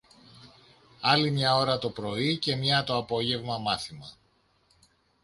Άλλη μια ώρα το πρωί και μια το απόγεμα, μάθημα.